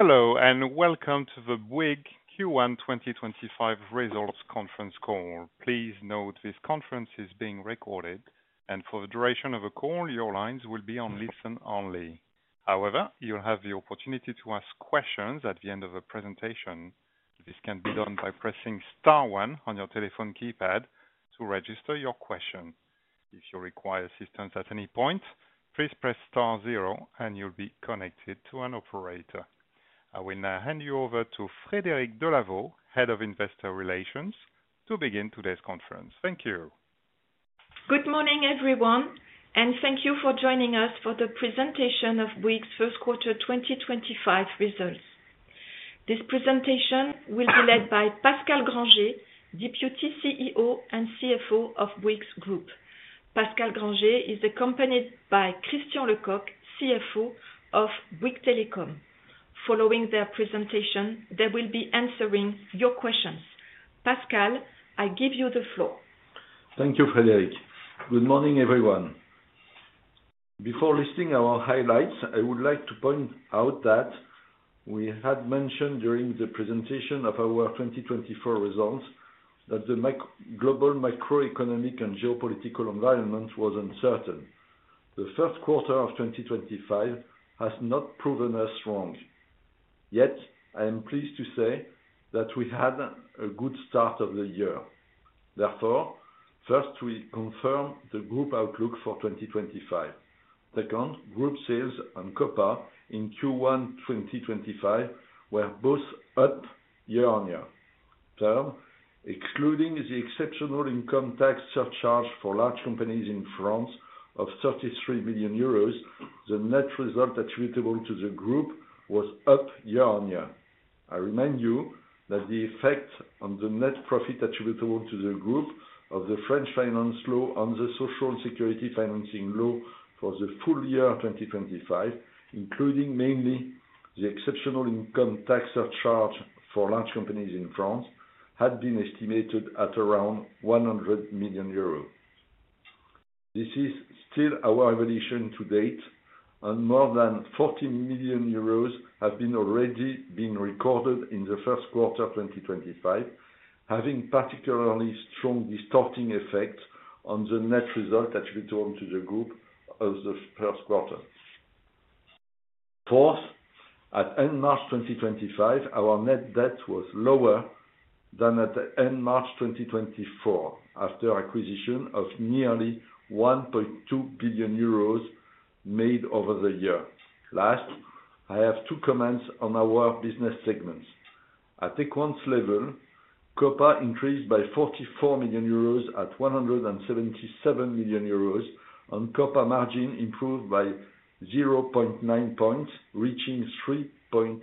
Hello, and welcome to the Bouygues Q1 2025 results conference call. Please note this conference is being recorded, and for the duration of the call, your lines will be on listen only. However, you'll have the opportunity to ask questions at the end of the presentation. This can be done by pressing star one on your telephone keypad to register your question. If you require assistance at any point, please press star zero, and you'll be connected to an operator. I will now hand you over to Frédérique Delavaud, Head of Investor Relations, to begin today's conference. Thank you. Good morning, everyone, and thank you for joining us for the presentation of Bouygues' first quarter 2025 results. This presentation will be led by Pascal Grangé, Deputy CEO and CFO of Bouygues Group. Pascal Grangé is accompanied by Christian Lecoq, CFO of Bouygues Telecom. Following their presentation, they will be answering your questions. Pascal, I give you the floor. Thank you, Frédérique. Good morning, everyone. Before listing our highlights, I would like to point out that we had mentioned during the presentation of our 2024 results that the global macroeconomic and geopolitical environment was uncertain. The first quarter of 2025 has not proven us wrong. Yet, I am pleased to say that we had a good start of the year. Therefore, first, we confirm the group outlook for 2025. Second, group sales and COPA in Q1 2025 were both up year-on-year. Third, excluding the exceptional income tax surcharge for large companies in France of 33 million euros, the net result attributable to the group was up year-on-year. I remind you that the effect on the net profit attributable to the group of the French finance law on the social security financing law for the full year 2025, including mainly the exceptional income tax surcharge for large companies in France, had been estimated at around 100 million euros. This is still our evaluation to date, and more than 40 million euros have already been recorded in the first quarter 2025, having particularly strong distorting effects on the net result attributable to the group of the first quarter. Fourth, at end March 2025, our net debt was lower than at end March 2024 after acquisition of nearly 1.2 billion euros made over the year. Last, I have two comments on our business segments. At the quarter level, COPA increased by 44 million euros at 177 million euros, and COPA margin improved by 0.9 percentage points, reaching 3.8%.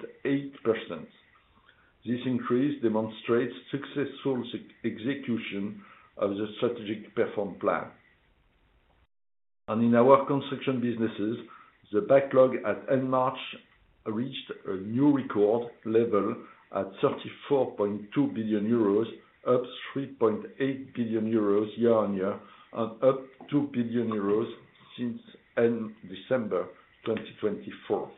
This increase demonstrates successful execution of the strategic performance plan. In our construction businesses, the backlog at end March reached a new record level at 34.2 billion euros, up 3.8 billion euros year-on-year, and up 2 billion euros since end December 2024.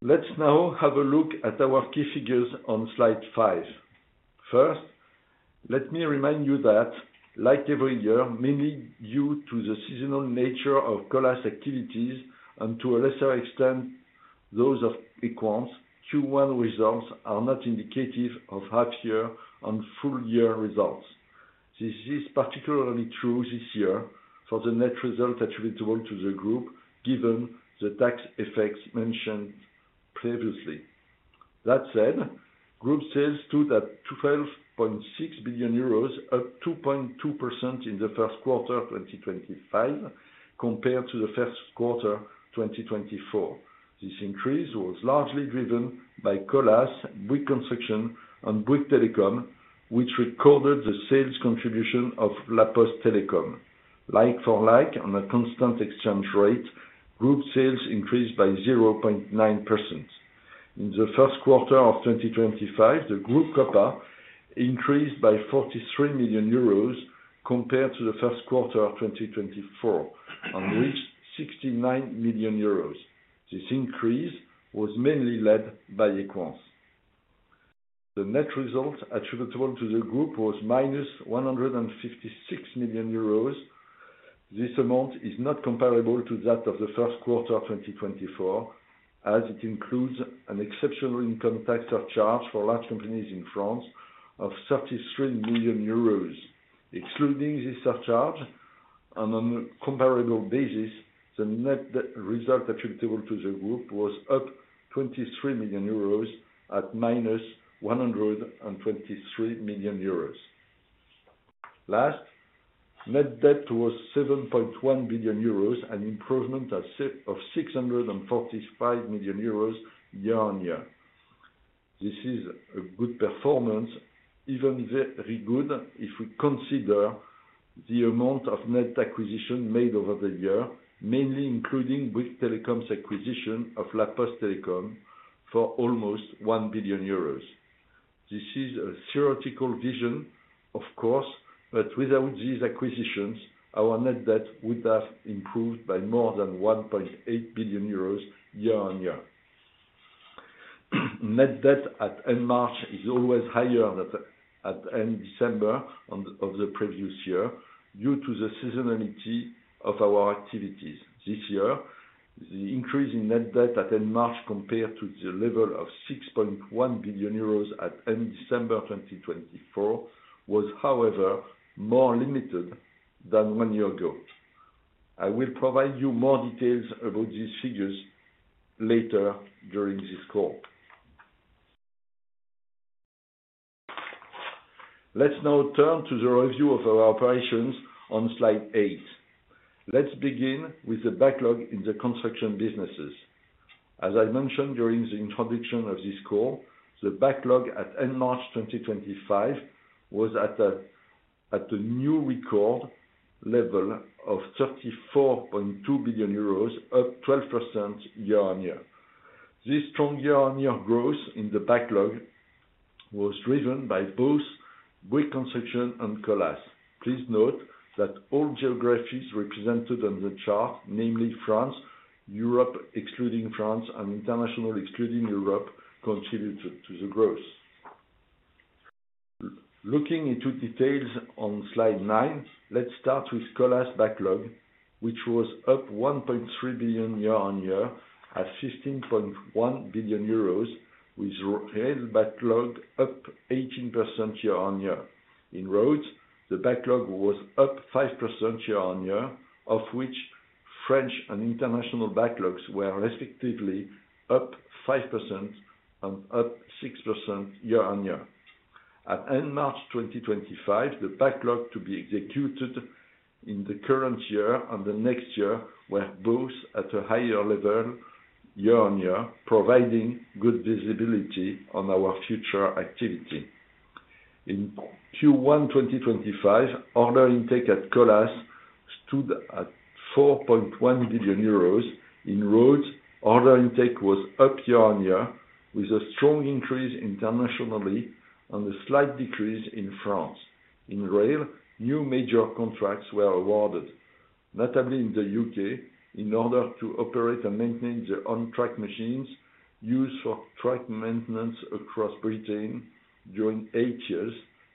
Let's now have a look at our key figures on slide five. First, let me remind you that, like every year, mainly due to the seasonal nature of Colas activities and to a lesser extent those of the quarter, Q1 results are not indicative of half-year and full-year results. This is particularly true this year for the net result attributable to the group, given the tax effects mentioned previously. That said, group sales stood at 12.6 billion euros, up 2.2% in the first quarter 2025 compared to the first quarter 2024. This increase was largely driven by Colas, Bouygues Construction, and Bouygues Telecom, which recorded the sales contribution of La Poste Telecom. Like for like, on a constant exchange rate, group sales increased by 0.9%. In the first quarter of 2025, the group COPA increased by 43 million euros compared to the first quarter of 2024, and reached 69 million euros. This increase was mainly led by Equans. The net result attributable to the group was -156 million euros. This amount is not comparable to that of the first quarter of 2024, as it includes an exceptional income tax surcharge for large companies in France of 33 million euros. Excluding this surcharge on a comparable basis, the net result attributable to the group was up 23 million euros at -123 million euros. Last, net debt was 7.1 billion euros, an improvement of 645 million euros year-on-year. This is a good performance, even very good, if we consider the amount of net acquisition made over the year, mainly including Bouygues Telecom's acquisition of La Poste Telecom for almost 1 billion euros. This is a theoretical vision, of course, but without these acquisitions, our net debt would have improved by more than 1.8 billion euros year-on-year. Net debt at end March is always higher than at end December of the previous year due to the seasonality of our activities. This year, the increase in net debt at end March compared to the level of 6.1 billion euros at end December 2024 was, however, more limited than one year ago. I will provide you more details about these figures later during this call. Let's now turn to the review of our operations on slide eight. Let's begin with the backlog in the construction businesses. As I mentioned during the introduction of this call, the backlog at end March 2025 was at a new record level of 34.2 billion euros, up 12% year-on-year. This strong year-on-year growth in the backlog was driven by both Bouygues Construction and Colas. Please note that all geographies represented on the chart, namely France, Europe excluding France, and international excluding Europe, contributed to the growth. Looking into details on slide nine, let's start with Colas backlog, which was up 1.3 billion year-on-year at 15.1 billion euros, with Rail backlog up 18% year-on-year. In roads, the backlog was up 5% year-on-year, of which French and international backlogs were respectively up 5% and up 6% year-on-year. At end March 2025, the backlog to be executed in the current year and the next year were both at a higher level year-on-year, providing good visibility on our future activity. In Q1 2025, order intake at Colas stood at 4.1 billion euros. In roads, order intake was up year-on-year, with a strong increase internationally and a slight decrease in France. In Rail, new major contracts were awarded, notably in the U.K., in order to operate and maintain the on-track machines used for track maintenance across Britain during eight years.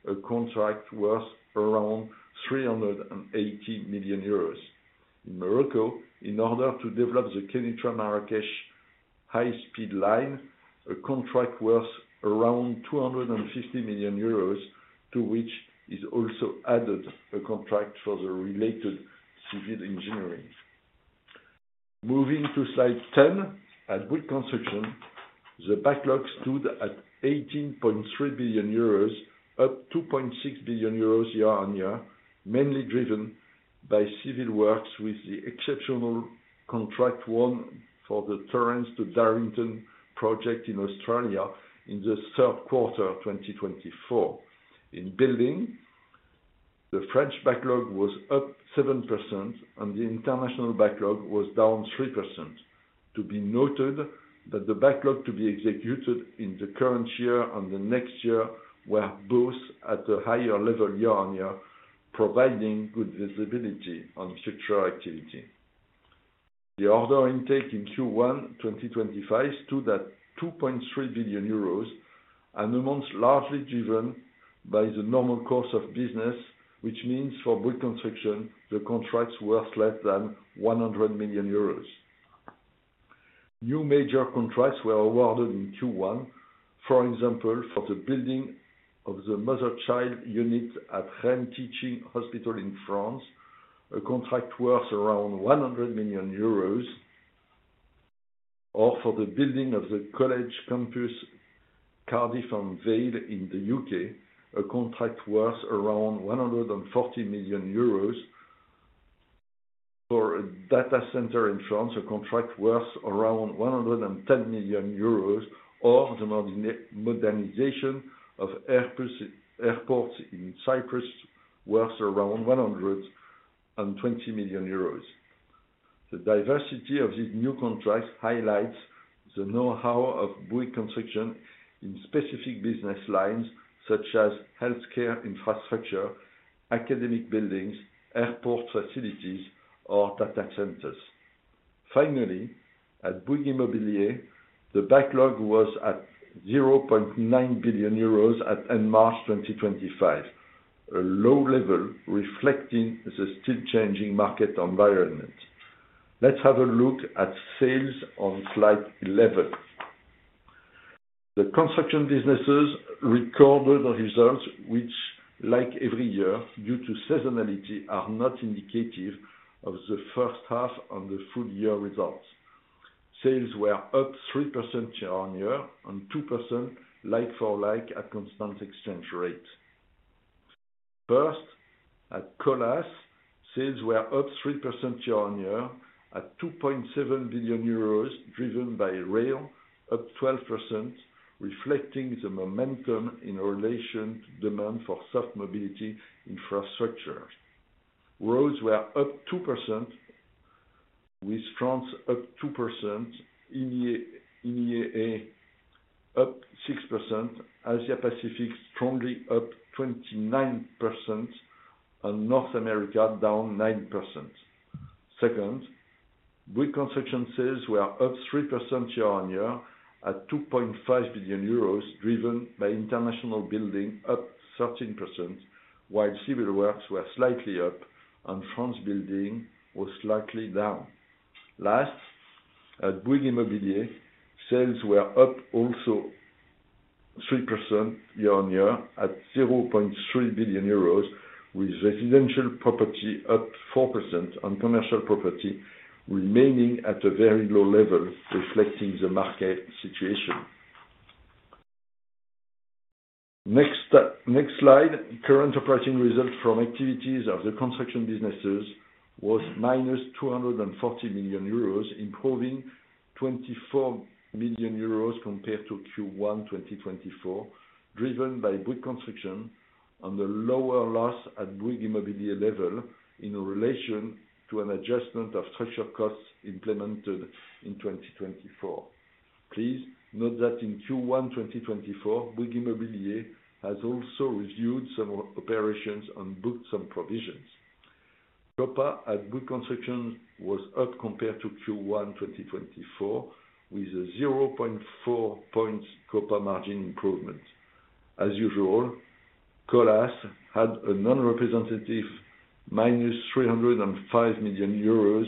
A contract was around 380 million euros. In Morocco, in order to develop the Kenitra and Marrakesh high-speed line, a contract was around 250 million euros, to which is also added a contract for the related civil engineering. Moving to slide ten, at Bouygues Construction, the backlog stood at 18.3 billion euros, up 2.6 billion euros year-on-year, mainly driven by Civil Works, with the exceptional contract won for the Torrance to Darrington project in Australia in the third quarter 2024. In building, the French backlog was up 7%, and the international backlog was down 3%. To be noted that the backlog to be executed in the current year and the next year were both at a higher level year-on-year, providing good visibility on future activity. The order intake in Q1 2025 stood at 2.3 billion euros, an amount largely driven by the normal course of business, which means for Bouygues Construction, the contracts were worth less than 100 million euros. New major contracts were awarded in Q1, for example, for the building of the mother-child unit at Rennes Teaching Hospital in France, a contract worth around 100 million euros, or for the building of the college campus Cardiff and Vale in the U.K., a contract worth around 140 million euros. For a data center in France, a contract worth around 110 million euros, or the modernization of airports in Cyprus worth around 120 million euros. The diversity of these new contracts highlights the know-how of Bouygues Construction in specific business lines such as healthcare infrastructure, academic buildings, airport facilities, or data centers. Finally, at Bouygues Immobilier, the backlog was at 0.9 billion euros at end March 2025, a low level reflecting the still changing market environment. Let's have a look at sales on slide 11. The construction businesses recorded results which, like every year, due to seasonality, are not indicative of the first half and the full-year results. Sales were up 3% year-on-year and 2% like for like at constant exchange rate. First, at Colas, sales were up 3% year-on-year at 2.7 billion euros, driven by Rail, up 12%, reflecting the momentum in relation to demand for soft mobility infrastructure. Roads were up 2%, with France up 2%, up 6%, Asia-Pacific strongly up 29%, and North America down 9%. Second, Bouygues Construction sales were up 3% year-on-year at 2.5 billion euros, driven by international building, up 13%, while Civil Works were slightly up, and France Building was slightly down. Last, at Bouygues Immobilier, sales were up also 3% year-on-year at 0.3 billion euros, with Residential property up 4% and Commercial property remaining at a very low level, reflecting the market situation. Next slide. Current operating result from activities of the construction businesses was -240 million euros, improving 24 million euros compared to Q1 2024, driven by Bouygues Construction and the lower loss at Bouygues Immobilier level in relation to an adjustment of structure costs implemented in 2024. Please note that in Q1 2024, Bouygues Immobilier has also reviewed some operations and booked some provisions. COPA at Bouygues Construction was up compared to Q1 2024, with a 0.4 percentage points COPA margin improvement. As usual, Colas had a non-representative -305 million euros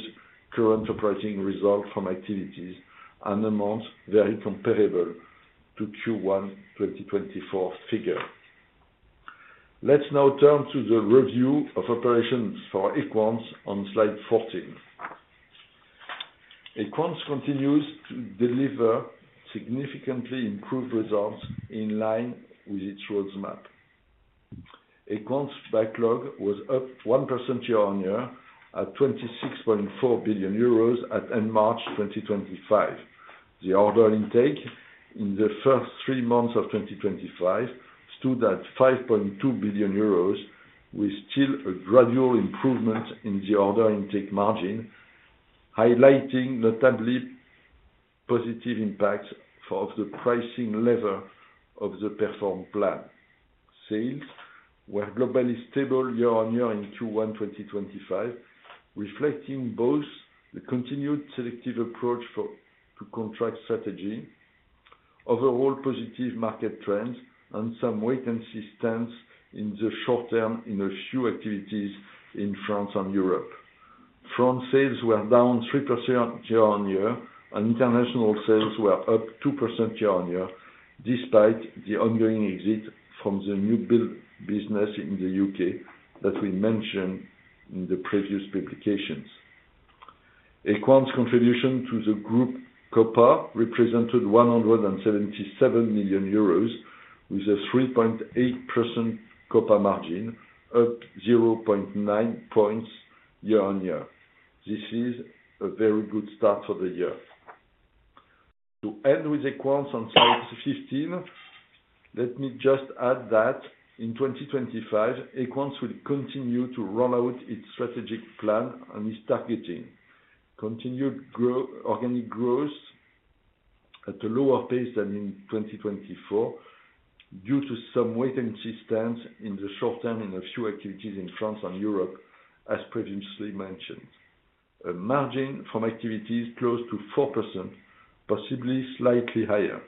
current operating result from activities, an amount very comparable to Q1 2024 figure. Let's now turn to the review of operations for Equans on slide 14. Equans continues to deliver significantly improved results in line with its roadmap. Equans backlog was up 1% year-on-year at 26.4 billion euros at end March 2025. The order intake in the first three months of 2025 stood at 5.2 billion euros, with still a gradual improvement in the order intake margin, highlighting notably positive impacts of the pricing lever of the performance plan. Sales were globally stable year-on-year in Q1 2025, reflecting both the continued selective approach to contract strategy, overall positive market trends, and some weight and assistance in the short term in a few activities in France and Europe. France sales were down 3% year-on-year, and international sales were up 2% year-on-year, despite the ongoing exit from the new business in the U.K. that we mentioned in the previous publications. Equans' contribution to the group COPA represented 177 million euros, with a 3.8% COPA margin, up 0.9 percentage points year-on-year. This is a very good start for the year. To end with Equans on slide 15, let me just add that in 2025, Equans will continue to roll out its strategic plan and its targeting. Continued organic growth at a lower pace than in 2024 due to some weight and assistance in the short term in a few activities in France and Europe, as previously mentioned. A margin from activities close to 4%, possibly slightly higher,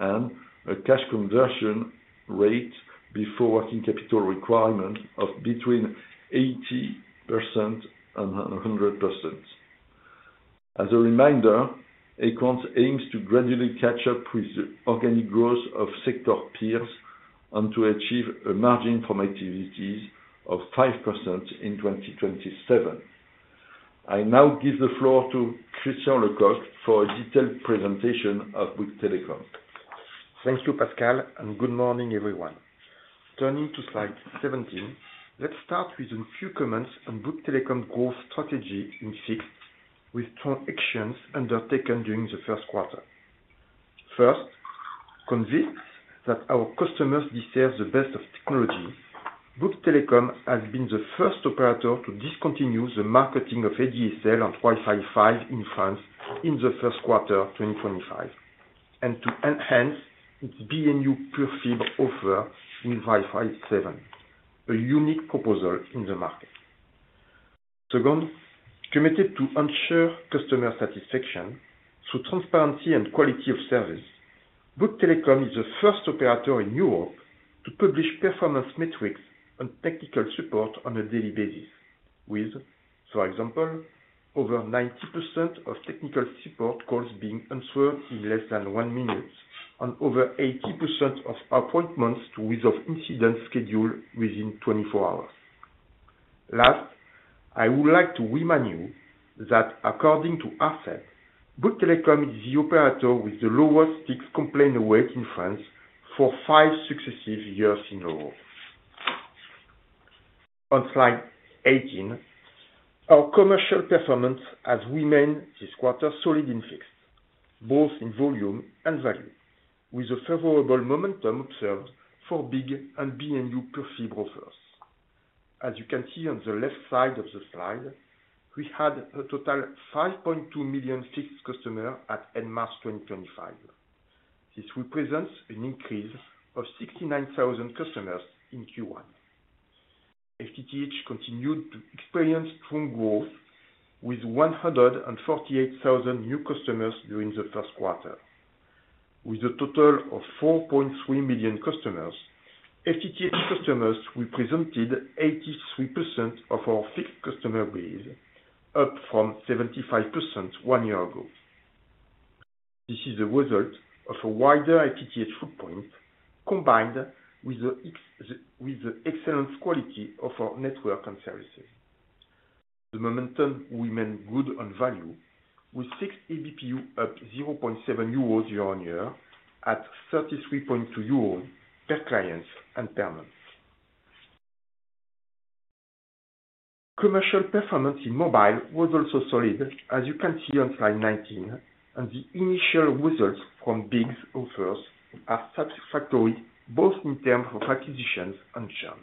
and a cash conversion rate before Working Capital Requirement of between 80% and 100%. As a reminder, Equans aims to gradually catch up with the organic growth of sector peers and to achieve a margin from activities of 5% in 2027. I now give the floor to Christian Lecoq for a detailed presentation of Bouygues Telecom. Thank you, Pascal, and good morning, everyone. Turning to slide 17, let's start with a few comments on Bouygues Telecom's growth strategy in six with strong actions undertaken during the first quarter. First, convinced that our customers deserve the best of technology, Bouygues Telecom has been the first operator to discontinue the marketing of ADSL and Wi-Fi 5 in France in the first quarter 2025, and to enhance its B&YOU Pure Fibre offer in Wi-Fi 7, a unique proposal in the market. Second, committed to ensure customer satisfaction through transparency and quality of service, Bouygues Telecom is the first operator in Europe to publish performance metrics and technical support on a daily basis, with, for example, over 90% of technical support calls being answered in less than one minute, and over 80% of appointments to resolve incidents scheduled within 24 hours. Last, I would like to remind you that, according to Arcep, Bouygues Telecom is the operator with the lowest Fixed complaint rate in France for five successive years in a row. On slide 18, our commercial performance has remained this quarter solid in Fixed, both in volume and value, with a favorable momentum observed for B.iG and B&YOU Pure Fibre offers. As you can see on the left side of the slide, we had a total of 5.2 million Fixed customers at end March 2025. This represents an increase of 69,000 customers in Q1. FTTH continued to experience strong growth, with 148,000 new customers during the first quarter. With a total of 4.3 million customers, FTTH customers represented 83% of our Fixed customer base, up from 75% one year ago. This is the result of a wider FTTH footprint, combined with the excellent quality of our network and services. The momentum remained good on value, with Fixed ABPU up 0.7 euros year-on-year at 33.2 euros per client and per month. Commercial performance in Mobile was also solid, as you can see on slide 19, and the initial results from B.iG 's offers are satisfactory, both in terms of acquisitions and churn.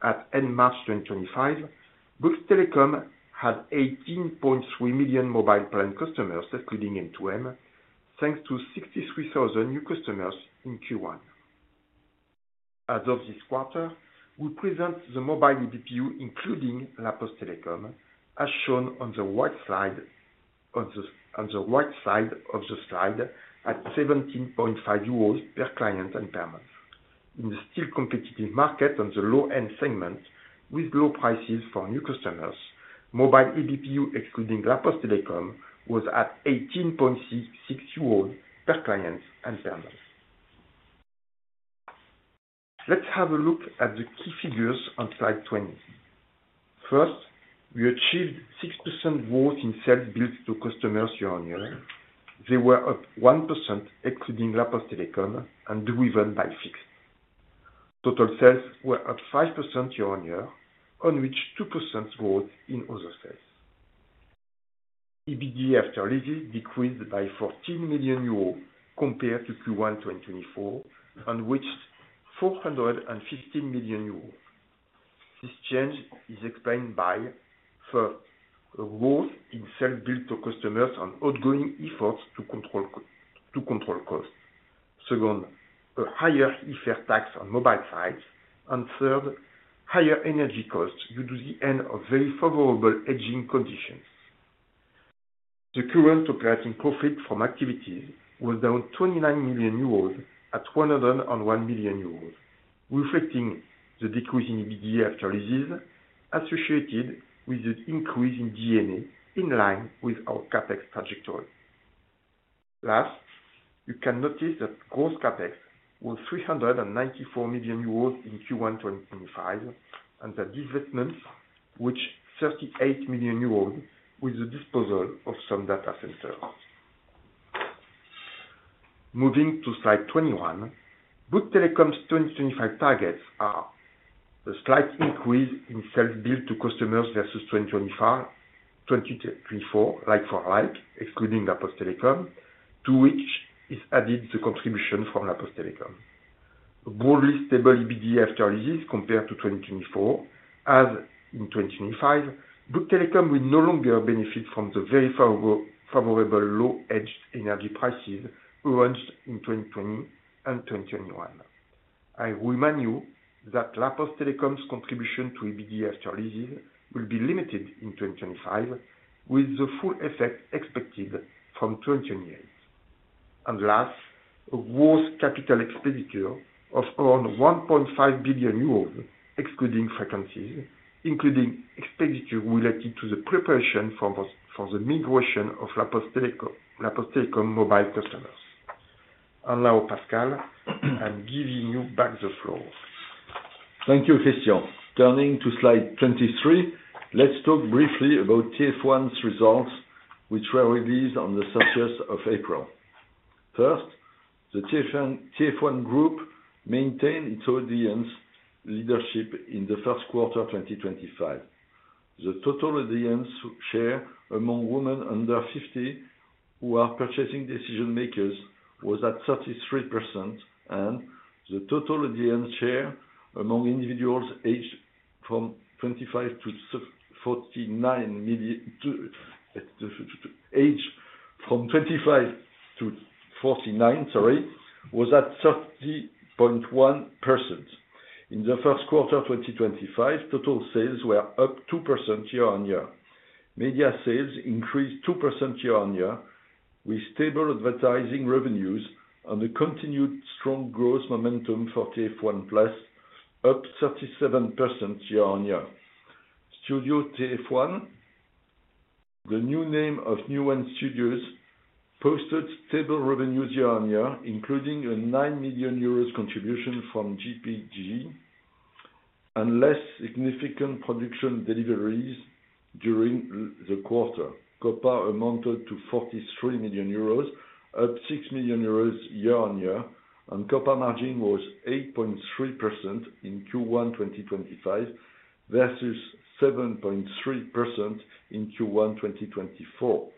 At end March 2025, Bouygues Telecom had 18.3 million Mobile plan customers, including MtoM, thanks to 63,000 new customers in Q1. As of this quarter, we present the Mobile ABPU, including La Poste Telecom, as shown on the right side of the slide at 17.5 million euros per client and per month. In the still competitive market and the low-end segment, with low prices for new customers, Mobile ABPU, excluding La Poste Telecom, was at 18.6 million euros per client and per month. Let's have a look at the key figures on slide 20. First, we achieved 6% growth in sales billed to customers year-on-year. They were up 1%, excluding La Poste Telecom, and driven by Fixed. Total sales were up 5% year-on-year, on which 2% growth in other sales. EBD after leases decreased by 14 million euros compared to Q1 2024, on which 415 million euros. This change is explained by, first, a growth in sales billed to customers and ongoing efforts to control costs. Second, a higher IFR tax on mobile sites. Third, higher energy costs due to the end of very favorable hedging conditions. The current operating profit from activities was down 29 million euros at 101 million euros, reflecting the decrease in EBD after leases associated with the increase in DNA in line with our CapEx trajectory. Last, you can notice that gross CapEx was 394 million euros in Q1 2025, and that this decreased by 38 million euros with the disposal of some data centers. Moving to slide 21, Bouygues Telecom's 2025 targets are a slight increase in sales billed to customers versus 2024, like for like, excluding La Poste Telecom, to which is added the contribution from La Poste Telecom. A broadly stable EBD after leases compared to 2024, as in 2025, Bouygues Telecom will no longer benefit from the very favorable low-hedged energy prices launched in 2020 and 2021. I remind you that La Poste Telecom's contribution to EBD after leases will be limited in 2025, with the full effect expected from 2028. Last, a gross capital expenditure of around 1.5 billion euros, excluding frequencies, including expenditure related to the preparation for the migration of La Poste Telecom Mobile customers. Now, Pascal, I'm giving you back the floor. Thank you, Christian. Turning to slide 23, let's talk briefly about TF1's results, which were released on the 30th of April. First, the TF1 Group maintained its audience leadership in the first quarter 2025. The total audience share among women under 50 who are purchasing decision-makers was at 33%, and the total audience share among individuals aged from 25-49 was at 30.1%. In the first quarter 2025, total sales were up 2% year-on-year. Media sales increased 2% year-on-year, with stable advertising revenues and a continued strong growth momentum for TF1+, up 37% year-on-year. Studio TF1, the new name of Newen Studios, posted stable revenues year-on-year, including a 9 million euros contribution from GPG, and less significant production deliveries during the quarter. COPA amounted to 43 million euros, up 6 million euros year-on-year, and COPA margin was 8.3% in Q1 2025 versus 7.3% in Q1 2024.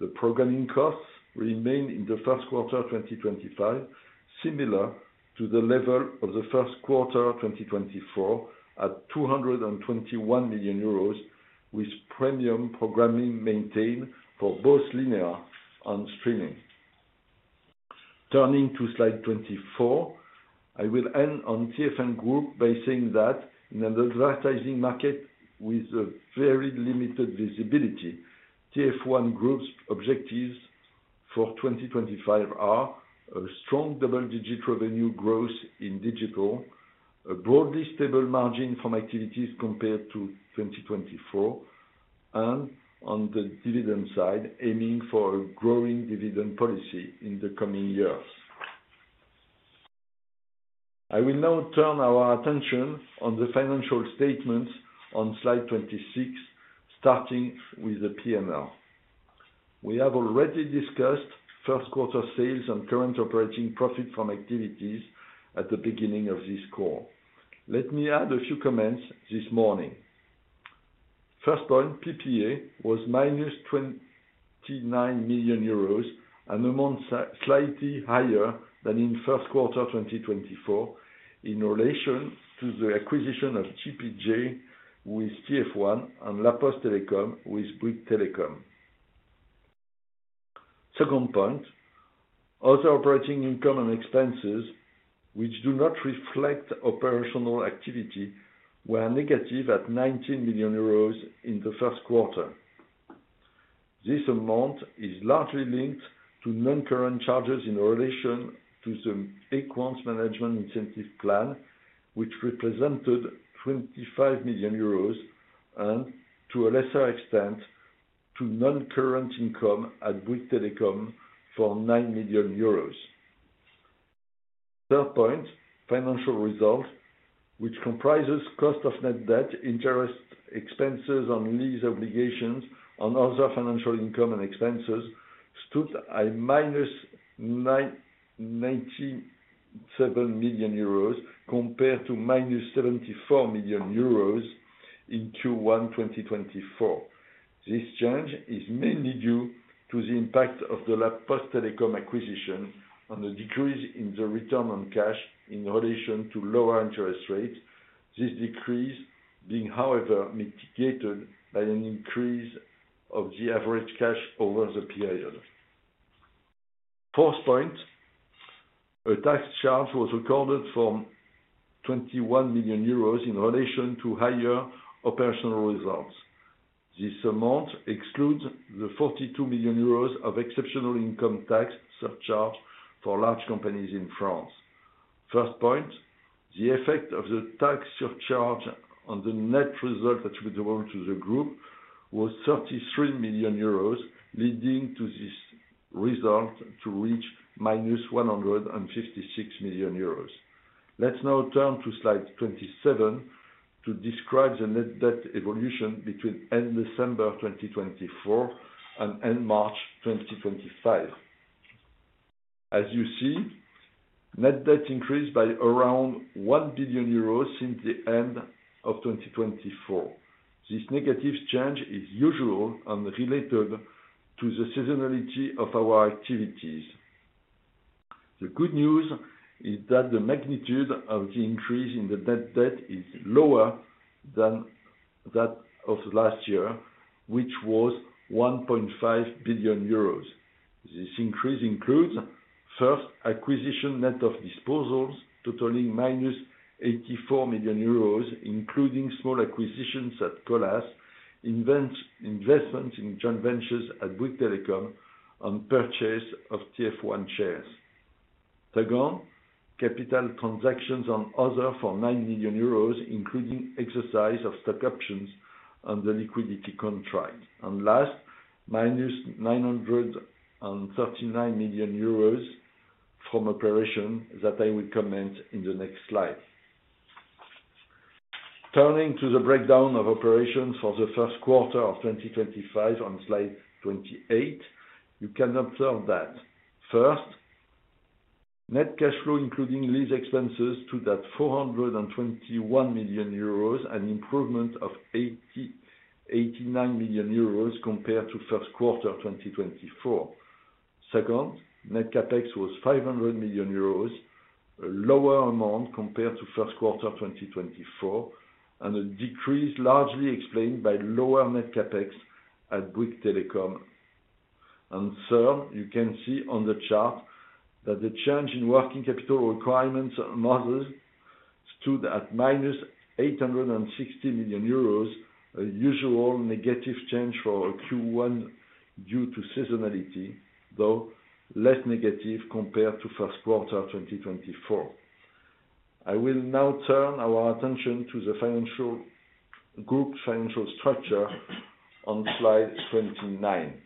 The programming costs remained in the first quarter 2025, similar to the level of the first quarter 2024 at 221 million euros, with premium programming maintained for both linear and streaming. Turning to slide 24, I will end on TF1 Group by saying that in an advertising market with a very limited visibility, TF1 Group's objectives for 2025 are a strong double-digit revenue growth in digital, a broadly stable margin from activities compared to 2024, and on the dividend side, aiming for a growing dividend policy in the coming years. I will now turn our attention on the financial statements on slide 26, starting with the P&L. We have already discussed first quarter sales and current operating profit from activities at the beginning of this call. Let me add a few comments this morning. First point, PPA was 29 million euros and amounts slightly higher than in first quarter 2024 in relation to the acquisition of GPG with TF1 and La Poste Telecom with Bouygues Telecom. Second point, other operating income and expenses, which do not reflect operational activity, were negative at 19 million euros in the first quarter. This amount is largely linked to non-current charges in relation to the Equans management incentive plan, which represented 25 million euros, and to a lesser extent, to non-current income at Bouygues Telecom for 9 million euros. Third point, financial results, which comprises cost of net debt, interest, expenses, and lease obligations, and other financial income and expenses, stood at 97 million euros compared to 74 million euros in Q1 2024. This change is mainly due to the impact of the La Poste Telecom acquisition on the decrease in the return on cash in relation to lower interest rates. This decrease being, however, mitigated by an increase of the average cash over the period. Fourth point, a tax charge was recorded for 21 million euros in relation to higher operational results. This amount excludes the 42 million euros of exceptional income tax surcharge for large companies in France. First point, the effect of the tax surcharge on the net result attributable to the group was 33 million euros, leading to this result to reach 156 million euros. Let's now turn to slide 27 to describe the net debt evolution between end December 2024 and end March 2025. As you see, net debt increased by around 1 billion euros since the end of 2024. This negative change is usual and related to the seasonality of our activities. The good news is that the magnitude of the increase in the net debt is lower than that of last year, which was 1.5 billion euros. This increase includes first acquisition net of disposals totaling 84 million euros, including small acquisitions at Colas, investments in joint ventures at Bouygues Telecom, and purchase of TF1 shares. Second, capital transactions on other for 9 million euros, including exercise of stock options and the liquidity contract. Last, 939 million euros from operations that I will comment on in the next slide. Turning to the breakdown of operations for the first quarter of 2025 on slide 28, you can observe that, first, net cash flow, including lease expenses, stood at 421 million euros and an improvement of 89 million euros compared to first quarter 2024. Second, net CapEx was 500 million euros, a lower amount compared to first quarter 2024, and a decrease largely explained by lower net CapEx at Bouygues Telecom. Third, you can see on the chart that the change in Working Capital Requirements and models stood at 860 million euros, a usual negative change for Q1 due to seasonality, though less negative compared to first quarter 2024. I will now turn our attention to the group's financial structure on slide 29.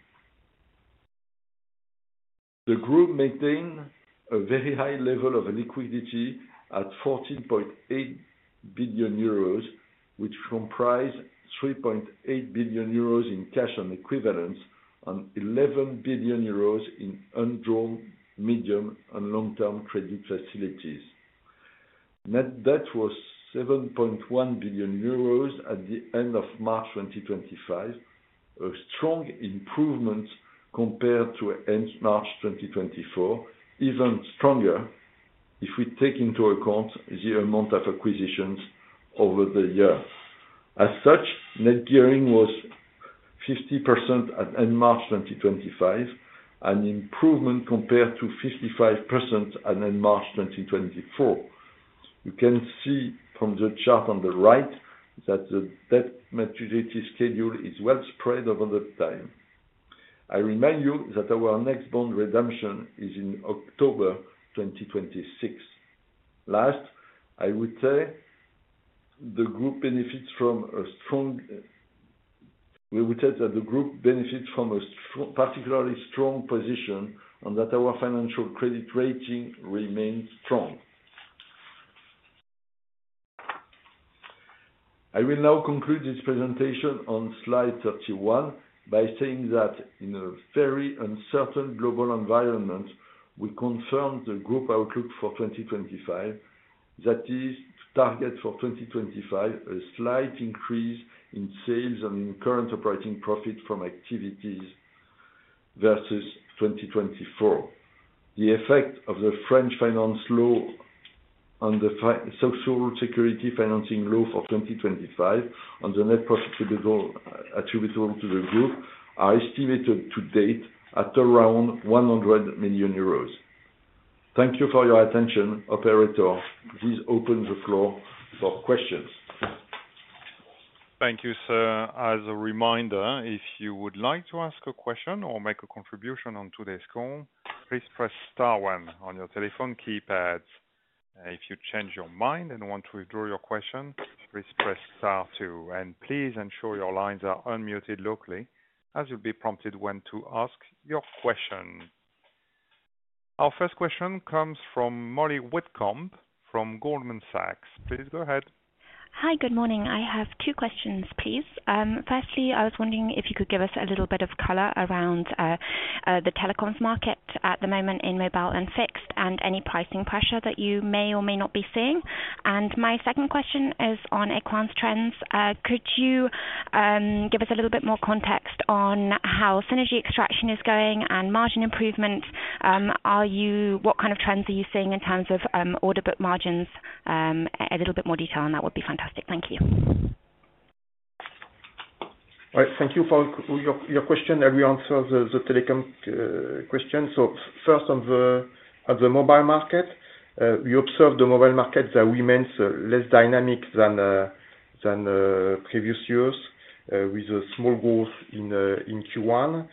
The group maintained a very high level of liquidity at 14.8 billion euros, which comprised 3.8 billion euros in cash and equivalents and 11 billion euros in undrawn medium and long-term credit facilities. Net debt was 7.1 billion euros at the end of March 2025, a strong improvement compared to end March 2024, even stronger if we take into account the amount of acquisitions over the year. As such, net gearing was 50% at end March 2025, an improvement compared to 55% at end March 2024. You can see from the chart on the right that the debt maturity schedule is well spread over the time. I remind you that our next bond redemption is in October 2026. Last, I would say the group benefits from a strong. We would say that the group benefits from a particularly strong position and that our financial credit rating remains strong. I will now conclude this presentation on slide 31 by saying that in a very uncertain global environment, we confirmed the group outlook for 2025, that is, target for 2025, a slight increase in sales and in current operating profit from activities versus 2024. The effect of the French finance law and the social security financing law for 2025 on the net profit attributable to the group are estimated to date at around 100 million euros. Thank you for your attention, operator. This opens the floor for questions. Thank you, sir. As a reminder, if you would like to ask a question or make a contribution on today's call, please press star one on your telephone keypad. If you change your mind and want to withdraw your question, please press star two. Please ensure your lines are unmuted locally, as you'll be prompted when to ask your question. Our first question comes from Mollie Witcombe from Goldman Sachs. Please go ahead. Hi, good morning. I have two questions, please. Firstly, I was wondering if you could give us a little bit of color around the telecoms market at the moment in Mobile and Fixed and any pricing pressure that you may or may not be seeing. My second question is on Equans trends. Could you give us a little bit more context on how synergy extraction is going and margin improvements? What kind of trends are you seeing in terms of order book margins? A little bit more detail on that would be fantastic. Thank you. All right. Thank you for your question. I will answer the telecom question. First, on the Mobile market, we observe the Mobile market that remains less dynamic than previous years, with a small growth in Q1.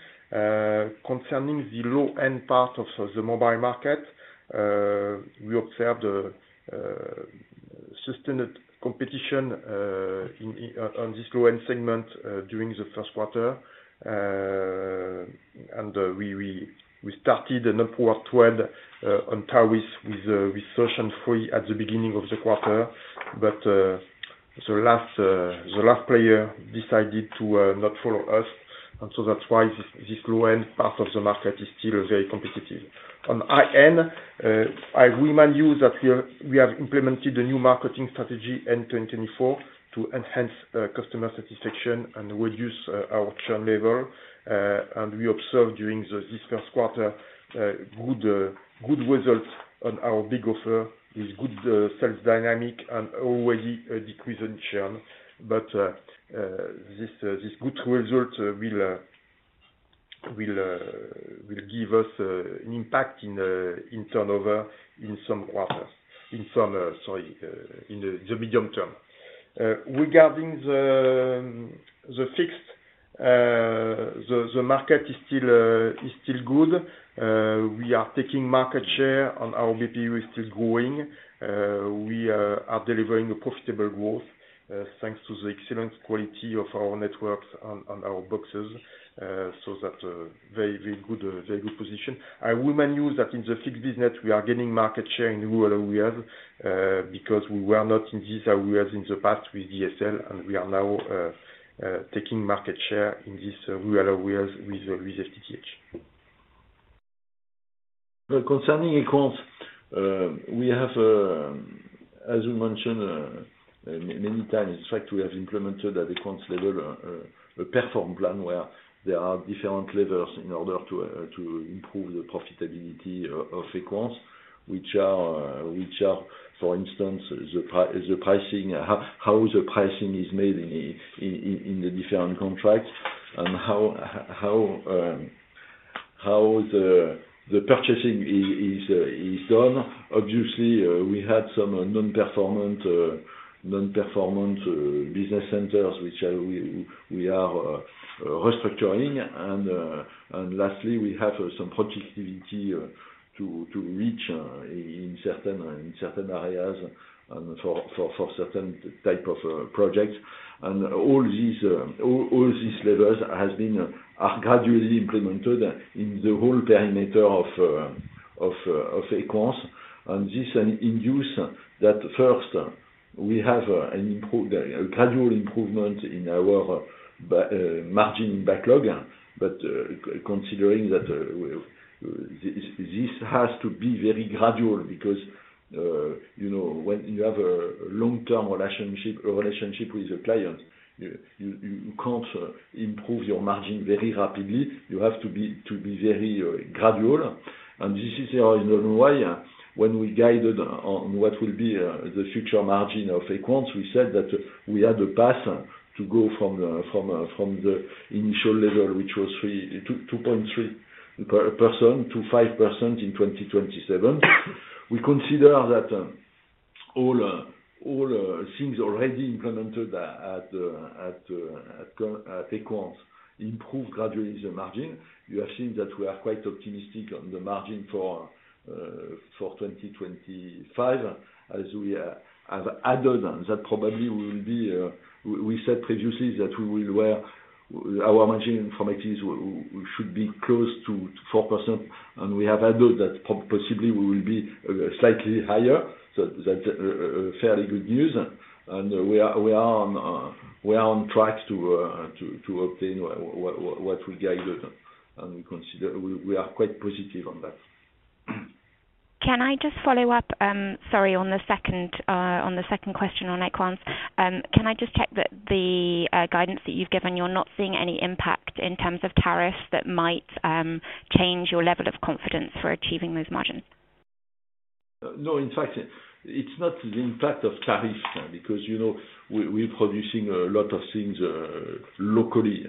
Concerning the low-end part of the Mobile market, we observed sustained competition on this low-end segment during the first quarter. We started an upward trend on tariffs with SFR and Free at the beginning of the quarter, but the last player decided to not follow us. That is why this low-end part of the market is still very competitive. On high-end, I remind you that we have implemented a new marketing strategy in 2024 to enhance customer satisfaction and reduce our churn level. We observed during this first quarter good results on our B.iG offer, with good sales dynamic and already a decrease in churn. This good result will give us an impact in turnover in some quarters, in some, sorry, in the medium term. Regarding the Fixed, the market is still good. We are taking market share and our ABPU is still growing. We are delivering a profitable growth thanks to the excellent quality of our networks and our boxes. That is a very good position. I will remind you that in the Fixed business, we are gaining market share in rural areas because we were not in these areas in the past with DSL, and we are now taking market share in these rural areas with FTTH. Concerning Equans, we have, as we mentioned many times, in fact, we have implemented at Equans level a perform plan where there are different levers in order to improve the profitability of Equans, which are, for instance, the pricing, how the pricing is made in the different contracts and how the purchasing is done. Obviously, we had some non-performant business centers, which we are restructuring. Lastly, we have some productivity to reach in certain areas and for certain type of projects. All these levers have been gradually implemented in the whole perimeter of Equans. This induces that first, we have a gradual improvement in our margin backlog. Considering that this has to be very gradual because when you have a long-term relationship with a client, you can't improve your margin very rapidly. You have to be very gradual. This is in a way, when we guided on what will be the future margin of Equans, we said that we had a path to go from the initial level, which was 2.3% to 5% in 2027. We consider that all things already implemented at Equans improve gradually the margin. You have seen that we are quite optimistic on the margin for 2025 as we have added that probably we will be, we said previously that we will, where our margin informations should be close to 4%, and we have added that possibly we will be slightly higher. That is fairly good news. We are on track to obtain what we guided. We are quite positive on that. Can I just follow up, sorry, on the second question on Equans? Can I just check that the guidance that you've given, you're not seeing any impact in terms of tariffs that might change your level of confidence for achieving those margins? No, in fact, it's not the impact of tariffs because we're producing a lot of things locally.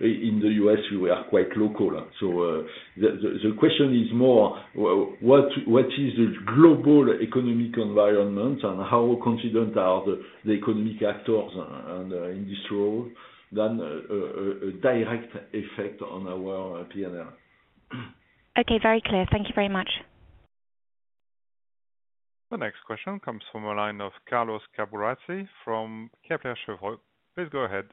In the US, we are quite local. The question is more, what is the global economic environment and how confident are the economic actors and industrial than a direct effect on our P&L? Okay, very clear. Thank you very much. The next question comes from a line of Carlos Caburrasi from Kepler Cheuvreux. Please go ahead.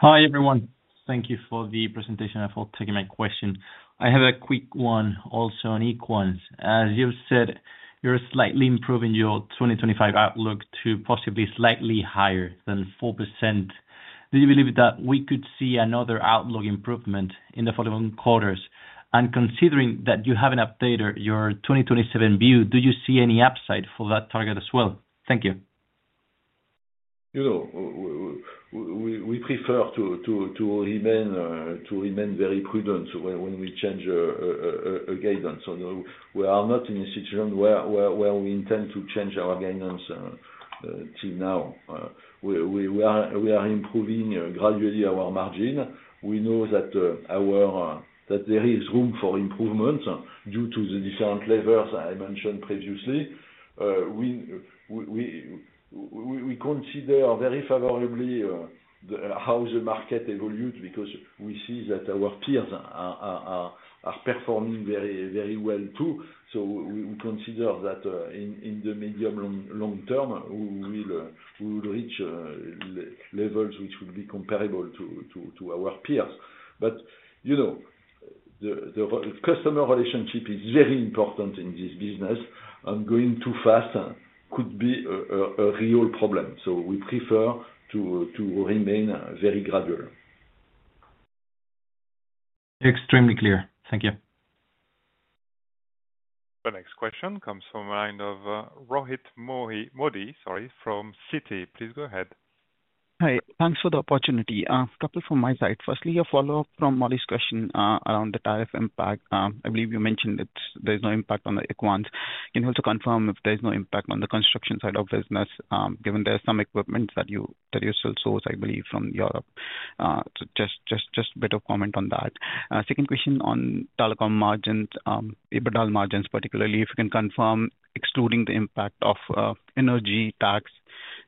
Hi everyone. Thank you for the presentation and for taking my question. I have a quick one also on Equans. As you've said, you're slightly improving your 2025 outlook to possibly slightly higher than 4%. Do you believe that we could see another outlook improvement in the following quarters? And considering that you haven't updated your 2027 view, do you see any upside for that target as well? Thank you. We prefer to remain very prudent when we change a guidance. We are not in a situation where we intend to change our guidance till now. We are improving gradually our margin. We know that there is room for improvement due to the different levers I mentioned previously. We consider very favorably how the market evolutes because we see that our peers are performing very well too. We consider that in the medium-long term, we will reach levels which will be comparable to our peers. The customer relationship is very important in this business, and going too fast could be a real problem. We prefer to remain very gradual. Extremely clear. Thank you. The next question comes from a line of Rohit Modi from Citi. Please go ahead. Hi. Thanks for the opportunity. A couple from my side. Firstly, a follow-up from Mollie's question around the tariff impact. I believe you mentioned that there's no impact on the Equans. Can you also confirm if there's no impact on the construction side of business, given there are some equipment that you still source, I believe, from Europe? Just a bit of comment on that. Second question on telecom margins, EBITDA margins particularly, if you can confirm, excluding the impact of energy tax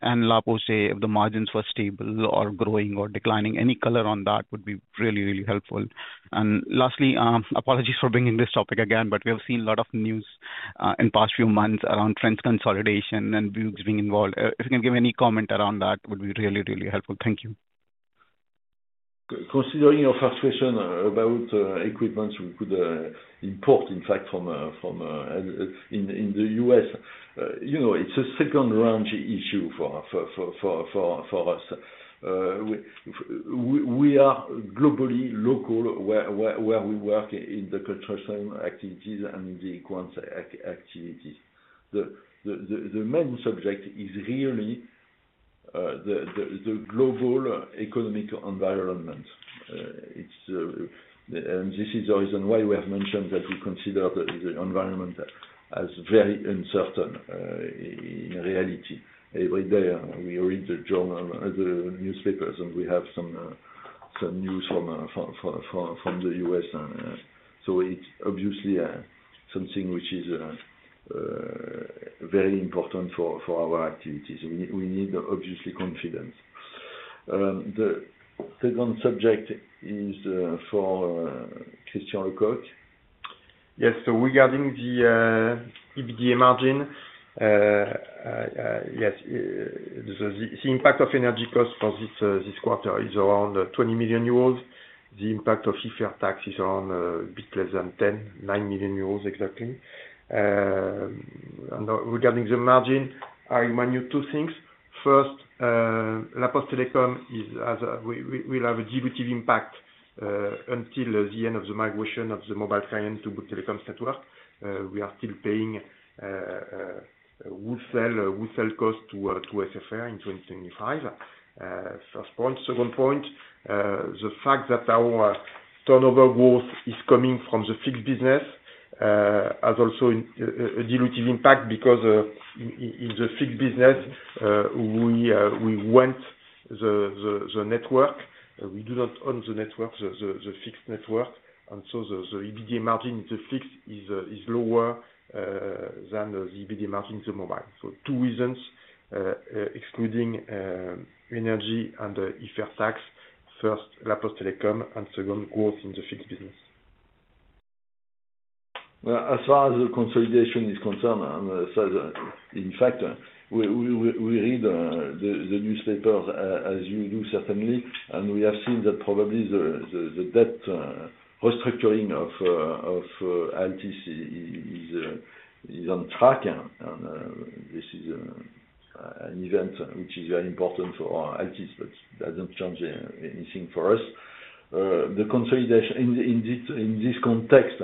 and La Poste, if the margins were stable or growing or declining, any color on that would be really, really helpful. Lastly, apologies for bringing this topic again, but we have seen a lot of news in the past few months around French consolidation and Bouygues being involved. If you can give any comment around that would be really, really helpful. Thank you. Considering your first question about equipment we could import, in fact, from the U.S., it's a second-range issue for us. We are globally local where we work in the construction activities and in the Equans activities. The main subject is really the global economic environment. This is the reason why we have mentioned that we consider the environment as very uncertain in reality. Every day, we read the newspapers and we have some news from the US. It's obviously something which is very important for our activities. We need obviously confidence. The second subject is for Christian Lecoq. Yes. Regarding the EBITDA margin, yes, the impact of energy cost for this quarter is around 20 million euros. The impact of IFR tax is around a bit less than 10 million, 9 million euros exactly. Regarding the margin, I remind you two things. First, La Poste Telecom will have a dilutive impact until the end of the migration of the Mobile client to Bouygues Telecom's network. We are still paying wholesale cost to SFR in 2025. First point. Second point, the fact that our turnover growth is coming from the Fixed business has also a dilutive impact because in the Fixed business, we rent the network. We do not own the network, the Fixed network. The EBITDA margin to Fixed is lower than the EBITDA margin to Mobile. Two reasons, excluding energy and IFR tax. First, La Poste Telecom, and second, growth in the Fixed business. As far as the consolidation is concerned, in fact, we read the newspapers, as you do certainly, and we have seen that probably the debt restructuring of Altice is on track. This is an event which is very important for Altice, but that does not change anything for us. The consolidation in this context,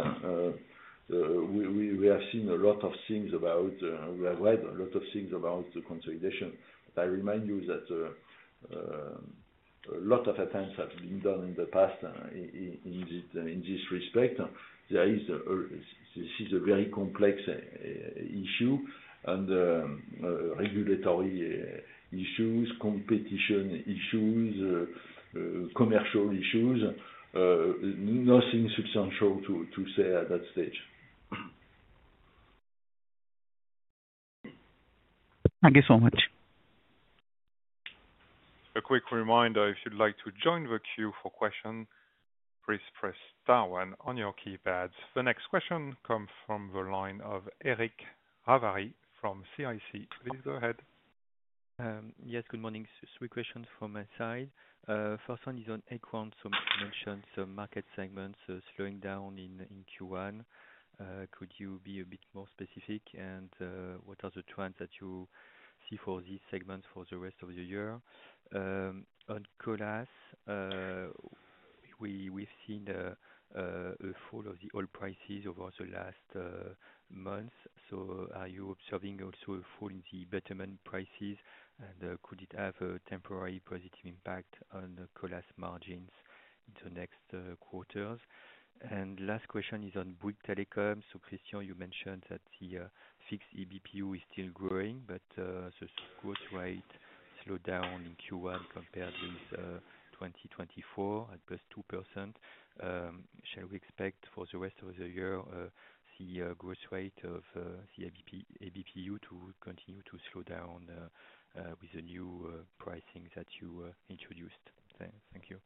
we have seen a lot of things about, we have read a lot of things about the consolidation. I remind you that a lot of attempts have been done in the past in this respect. This is a very complex issue and regulatory issues, competition issues, commercial issues. Nothing substantial to say at that stage. Thank you so much. A quick reminder, if you would like to join the queue for questions, please press star one on your keypads. The next question comes from the line of Eric Ravary from CIC. Please go ahead. Yes, good morning. Three questions from my side. First one is on Equans, so you mentioned some market segments slowing down in Q1. Could you be a bit more specific? And what are the trends that you see for these segments for the rest of the year? On Colas, we've seen a fall of the oil prices over the last months. Are you observing also a fall in the bitumen prices? And could it have a temporary positive impact on Colas margins in the next quarters? Last question is on Bouygues Telecom. Christian, you mentioned that the Fixed ABPU is still growing, but the growth rate slowed down in Q1 compared with 2024 at +2%. Shall we expect for the rest of the year the growth rate of the ABPU to continue to slow down with the new pricing that you introduced? Thank you.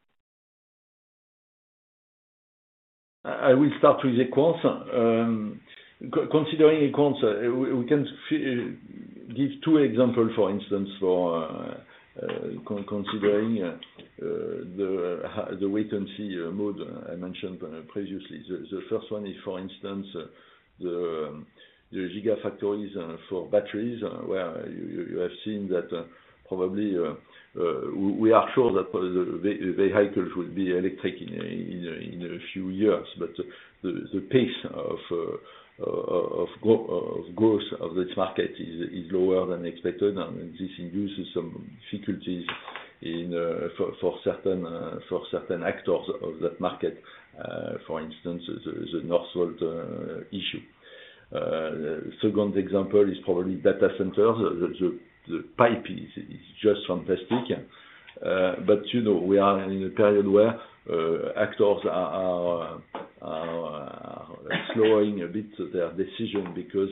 I will start with Equans. Considering Equans, we can give two examples, for instance, for considering the wait-and-see mode I mentioned previously. The first one is, for instance, the gigafactories for batteries, where you have seen that probably we are sure that the vehicles will be electric in a few years. However, the pace of growth of this market is lower than expected, and this induces some difficulties for certain actors of that market, for instance, the Northvolt issue. The second example is probably data centers. The pipe is just fantastic. We are in a period where actors are slowing a bit their decision because,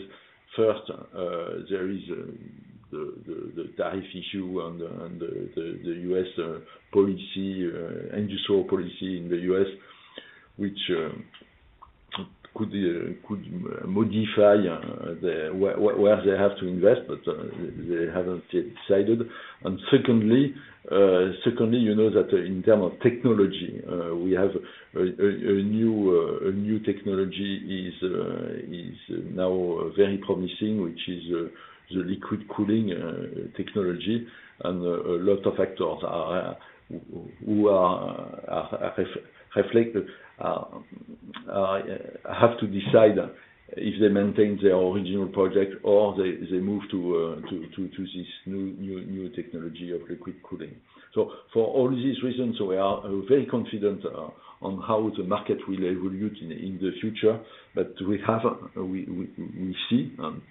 first, there is the tariff issue and the US policy, industrial policy in the US, which could modify where they have to invest, but they have not decided. Secondly, you know that in terms of technology, we have a new technology that is now very promising, which is the liquid cooling technology. A lot of actors have to decide if they maintain their original project or they move to this new technology of liquid cooling. For all these reasons, we are very confident on how the market will evolve in the future.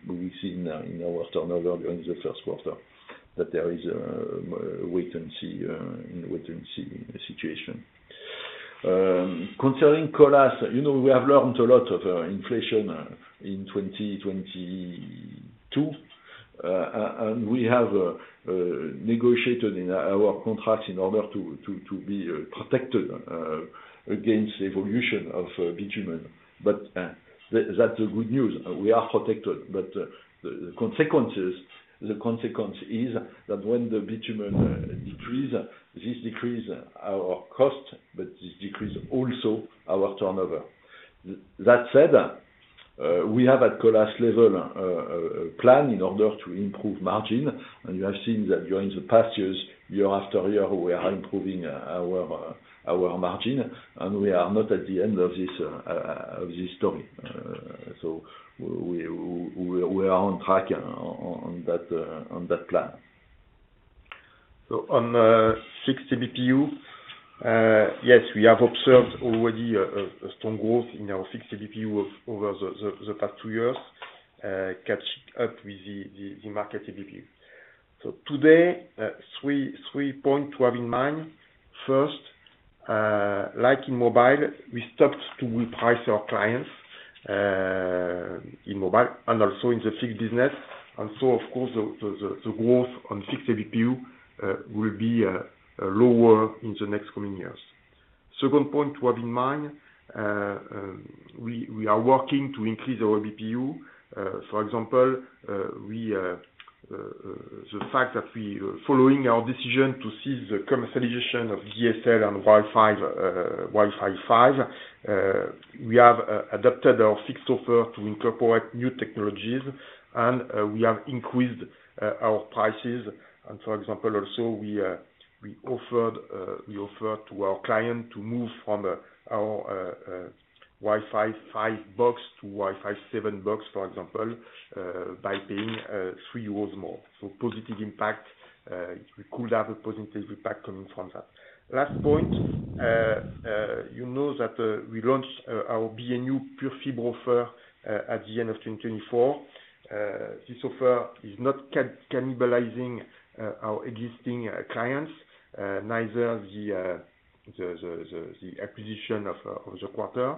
We see in our turnover during the first quarter that there is a wait-and-see situation. Concerning Colas, we have learned a lot from inflation in 2022. We have negotiated in our contracts in order to be protected against the evolution of bitumen. That is the good news. We are protected. The consequence is that when the bitumen decreases, this decreases our cost, but this decreases also our turnover. That said, we have a Colas-level plan in order to improve margin. You have seen that during the past years, year after year, we are improving our margin. We are not at the end of this story. We are on track on that plan. On Fixed ABPU, yes, we have observed already a strong growth in our Fixed ABPU over the past two years, catching up with the market ABPU. Today, three points to have in mind. First, like in Mobile, we stopped to reprice our clients in Mobile and also in the Fixed business. Of course, the growth on Fixed ABPU will be lower in the next coming years. Second point to have in mind, we are working to increase our ABPU. For example, the fact that we are following our decision to cease the commercialization of DSL and Wi-Fi 5, we have adopted our Fixed offer to incorporate new technologies. We have increased our prices. For example, also we offered to our client to move from our Wi-Fi 5 box to Wi-Fi 7 box, for example, by paying 3 euros more. Positive impact. We could have a positive impact coming from that. Last point, you know that we launched our B&YOU Pure Fibre offer at the end of 2024. This offer is not cannibalizing our existing clients, neither the acquisition of the quarter.